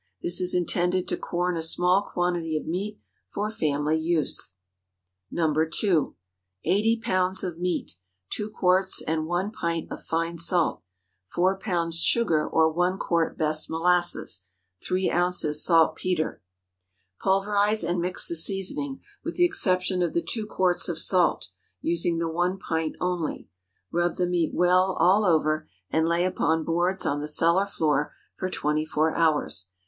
This is intended to corn a small quantity of meat for family use. (NO. 2.) 80 lbs. of meat. 2 quarts and 1 pint of fine salt. 4 lbs. sugar, or 1 quart best molasses. 3 oz. saltpetre. Pulverize and mix the seasoning, with the exception of the two quarts of salt, using the one pint only. Rub the meat well all over, and lay upon boards on the cellar floor for twenty four hours.